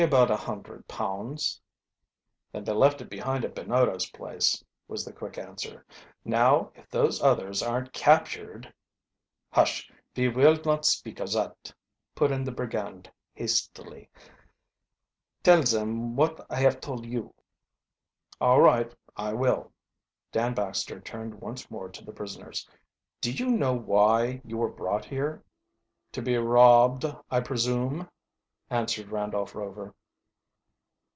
"Only about a hundred pounds." "Then they left it behind at Binoto's place," was the quick answer. "Now if those others aren't captured " "Hush, ve vill not speak of zat," put in the brigand hastily. "Tell zeni what I haf tole you." "All right, I will." Dan Baxter turned once more to the prisoners. "Do you know why you were brought here?" "To be robbed, I presume," answered Randolph Rover.